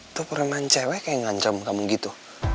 itu permainan cewek yang ngancam kamu gitu